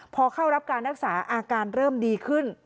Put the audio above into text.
พอเข้ารับการรักษาอาการเริ่มดีขึ้น